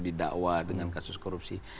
didakwa dengan kasus korupsi